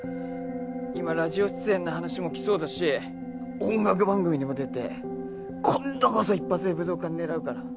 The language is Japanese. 今ラジオ出演の話も来そうだし音楽番組にも出て今度こそ一発で武道館狙うから！